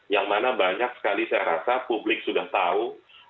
yang mana banyak sekali saya rasa publik sudah tahu